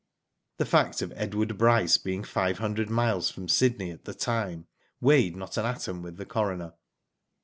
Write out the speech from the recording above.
The fact of Edward Bryce being five hundred miles from Sydney at the time, weighed not an atom with the coroner.